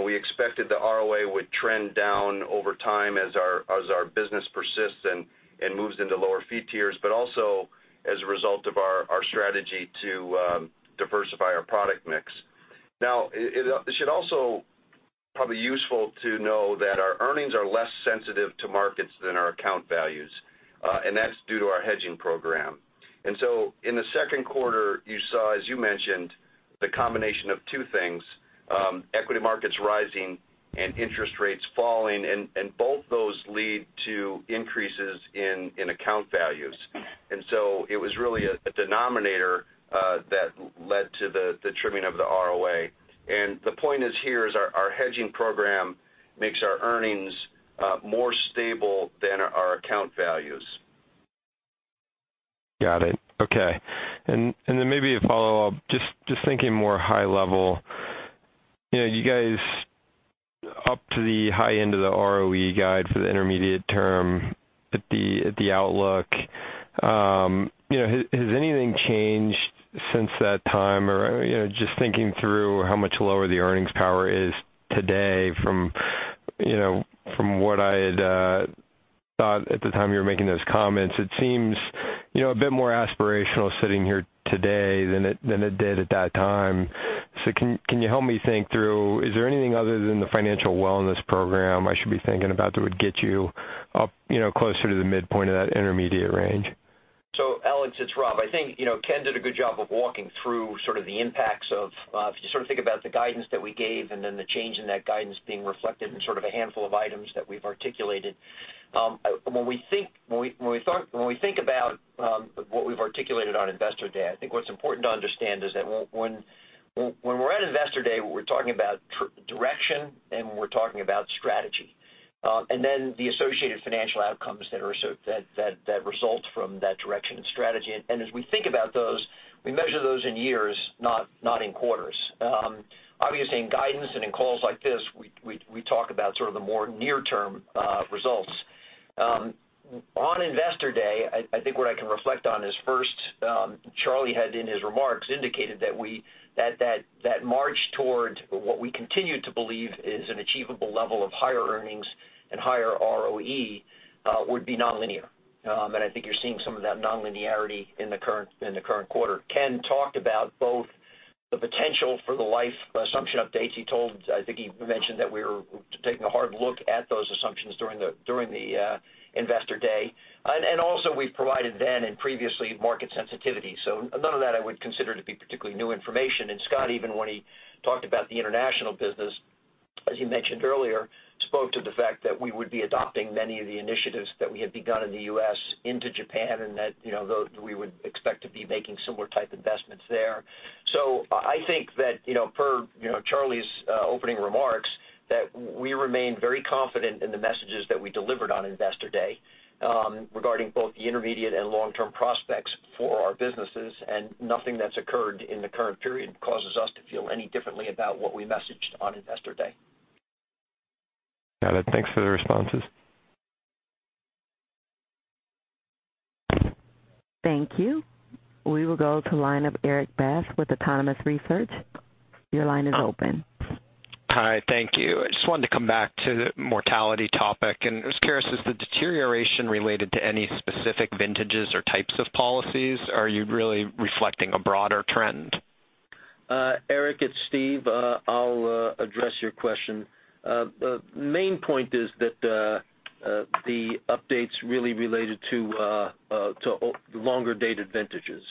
we expected the ROA would trend down over time as our business persists and moves into lower fee tiers, but also as a result of our strategy to diversify our product mix. It should also probably useful to know that our earnings are less sensitive to markets than our account values. That's due to our hedging program. In the second quarter, you saw, as you mentioned, the combination of two things, equity markets rising and interest rates falling, and both those lead to increases in account values. It was really a denominator that led to the trimming of the ROA. The point here is our hedging program makes our earnings more stable than our account values. Got it. Okay. Maybe a follow-up, just thinking more high level. You guys up to the high end of the ROE guide for the intermediate term at the outlook. Has anything changed since that time? Just thinking through how much lower the earnings power is today from what I had thought at the time you were making those comments. It seems a bit more aspirational sitting here today than it did at that time. Can you help me think through, is there anything other than the financial wellness program I should be thinking about that would get you up closer to the midpoint of that intermediate range? Alex, it's Rob. I think Ken did a good job of walking through sort of the impacts of, if you sort of think about the guidance that we gave and then the change in that guidance being reflected in sort of a handful of items that we've articulated. When we think about what we've articulated on Investor Day, I think what's important to understand is that when we're at Investor Day, we're talking about direction, and we're talking about strategy, and then the associated financial outcomes that result from that direction and strategy. As we think about those, we measure those in years, not in quarters. Obviously, in guidance and in calls like this, we talk about sort of the more near-term results. On Investor Day, I think what I can reflect on is first, Charlie had in his remarks indicated that march toward what we continue to believe is an achievable level of higher earnings and higher ROE would be non-linear. I think you're seeing some of that non-linearity in the current quarter. Ken talked about both the potential for the life assumption updates. I think he mentioned that we were taking a hard look at those assumptions during the Investor Day. Also we've provided then and previously market sensitivity. None of that I would consider to be particularly new information. Scott, even when he talked about the international business, as you mentioned earlier, spoke to the fact that we would be adopting many of the initiatives that we had begun in the U.S. into Japan and that we would expect to be making similar type investments there. I think that per Charlie's opening remarks, that we remain very confident in the messages that we delivered on Investor Day regarding both the intermediate and long-term prospects for our businesses, nothing that's occurred in the current period causes us to feel any differently about what we messaged on Investor Day. Got it. Thanks for the responses. Thank you. We will go to line of Erik Bass with Autonomous Research. Your line is open. Hi, thank you. I just wanted to come back to the mortality topic. I was curious, is the deterioration related to any specific vintages or types of policies? Are you really reflecting a broader trend? Erik, it's Steve. I'll address your question. Main point is that the updates really related to longer-dated vintages,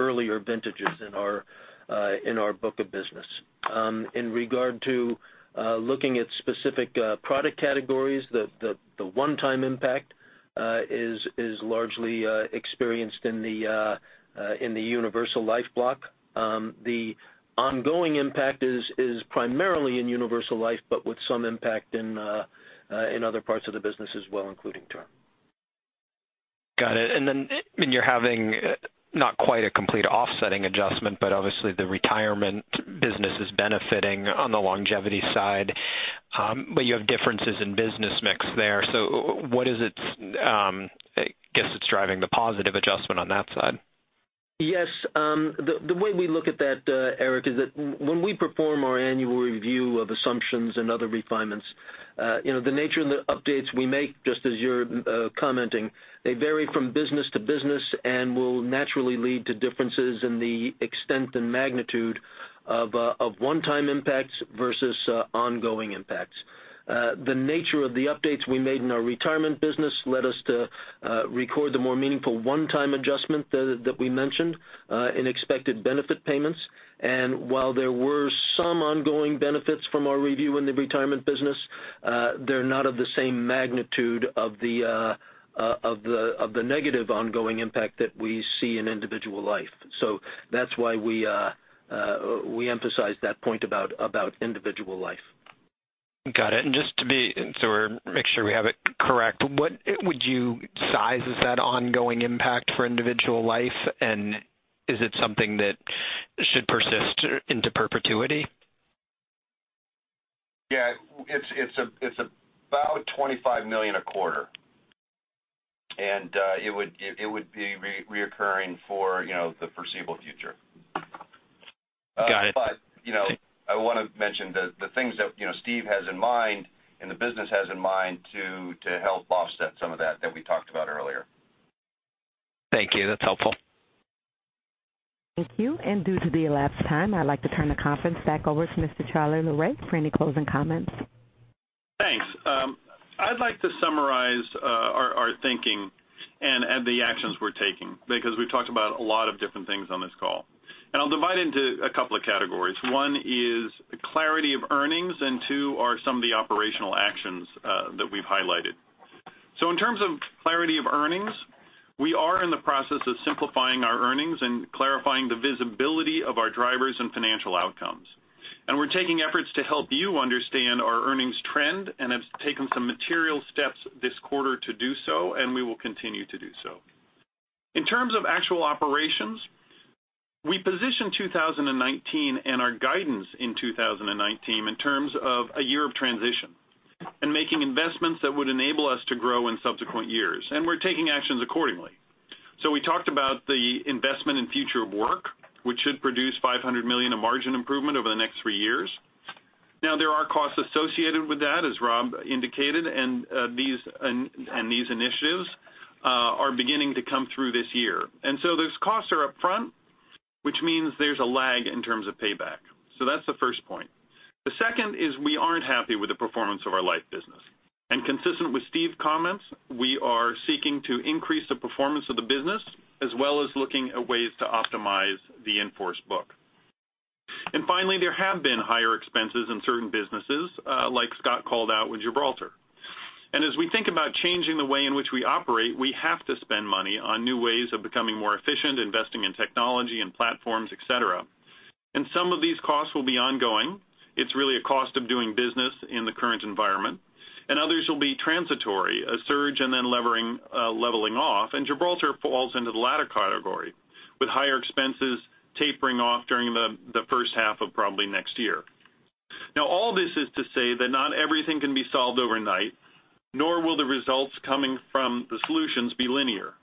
earlier vintages in our book of business. In regard to looking at specific product categories, the one-time impact is largely experienced in the universal life block. The ongoing impact is primarily in universal life, but with some impact in other parts of the business as well, including term. Got it. Then you're having not quite a complete offsetting adjustment, but obviously the retirement business is benefiting on the longevity side. You have differences in business mix there. What is it, I guess it's driving the positive adjustment on that side. Yes. The way we look at that, Erik, is that when we perform our annual review of assumptions and other refinements, the nature of the updates we make, just as you're commenting, they vary from business to business and will naturally lead to differences in the extent and magnitude of one-time impacts versus ongoing impacts. The nature of the updates we made in our retirement business led us to record the more meaningful one-time adjustment that we mentioned in expected benefit payments. While there were some ongoing benefits from our review in the retirement business, they're not of the same magnitude of the negative ongoing impact that we see in Individual Life. That's why we emphasize that point about Individual Life. Got it. Just to make sure we have it correct, what would you size as that ongoing impact for Individual Life, and is it something that should persist into perpetuity? Yeah. It's about $25 million a quarter, and it would be recurring for the foreseeable future. Got it. I want to mention the things that Steve has in mind and the business has in mind to help offset some of that we talked about earlier. Thank you. That's helpful. Thank you. Due to the elapsed time, I'd like to turn the conference back over to Mr. Charlie Lowrey for any closing comments. Thanks. I'd like to summarize our thinking and the actions we're taking because we've talked about a lot of different things on this call. I'll divide it into a couple of categories. One is clarity of earnings, and two are some of the operational actions that we've highlighted. In terms of clarity of earnings, we are in the process of simplifying our earnings and clarifying the visibility of our drivers and financial outcomes. We're taking efforts to help you understand our earnings trend and have taken some material steps this quarter to do so, and we will continue to do so. In terms of actual operations, we position 2019 and our guidance in 2019 in terms of a year of transition and making investments that would enable us to grow in subsequent years. We're taking actions accordingly. We talked about the investment in future of work, which should produce $500 million in margin improvement over the next three years. There are costs associated with that, as Rob indicated, and these initiatives are beginning to come through this year. Those costs are up front, which means there's a lag in terms of payback. That's the first point. The second is we aren't happy with the performance of our life business. Consistent with Steve's comments, we are seeking to increase the performance of the business as well as looking at ways to optimize the in-force book. Finally, there have been higher expenses in certain businesses, like Scott called out with Gibraltar. As we think about changing the way in which we operate, we have to spend money on new ways of becoming more efficient, investing in technology and platforms, et cetera. Some of these costs will be ongoing. It's really a cost of doing business in the current environment, and others will be transitory, a surge, and then leveling off. Gibraltar falls into the latter category, with higher expenses tapering off during the first half of probably next year. All this is to say that not everything can be solved overnight, nor will the results coming from the solutions be linear.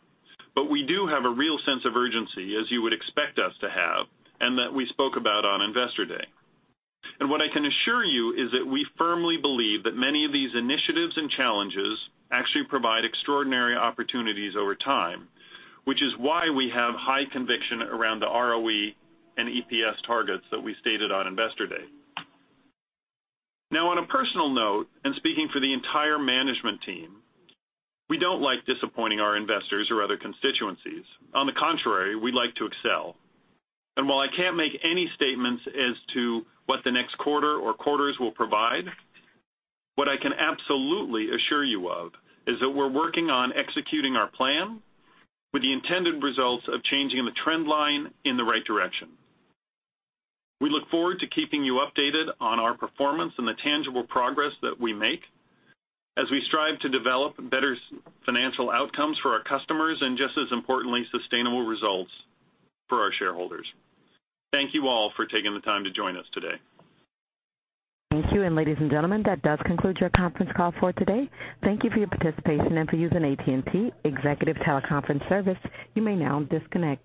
We do have a real sense of urgency, as you would expect us to have, and that we spoke about on Investor Day. What I can assure you is that we firmly believe that many of these initiatives and challenges actually provide extraordinary opportunities over time, which is why we have high conviction around the ROE and EPS targets that we stated on Investor Day. On a personal note, and speaking for the entire management team, we don't like disappointing our investors or other constituencies. On the contrary, we like to excel. While I can't make any statements as to what the next quarter or quarters will provide, what I can absolutely assure you of is that we're working on executing our plan with the intended results of changing the trend line in the right direction. We look forward to keeping you updated on our performance and the tangible progress that we make as we strive to develop better financial outcomes for our customers and just as importantly, sustainable results for our shareholders. Thank you all for taking the time to join us today. Thank you. Ladies and gentlemen, that does conclude your conference call for today. Thank you for your participation and for using AT&T Executive Teleconference Service. You may now disconnect.